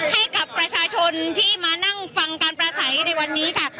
ให้กับประชาชนที่มานั่งฟังการประสัยในวันนี้ค่ะ